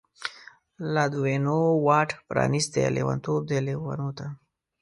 لادوینو واټ پرانستی، لیونتوب دی لیونو ته